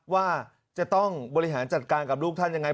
ว่าจะต้องบริหารจัดการกับลูกท่านยังไง